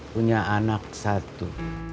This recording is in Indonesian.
punya anak satu